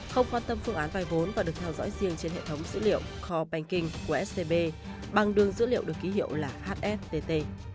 không quan tâm phương án vay vốn và được theo dõi riêng trên hệ thống dữ liệu cop banking của scb bằng đường dữ liệu được ký hiệu là hstt